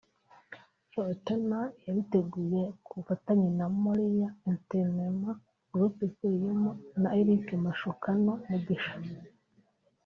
Fortran yabiteguye ku bufatanye na Moriah Entertainment Group ikuriwe na Eric Mashukano Mugisha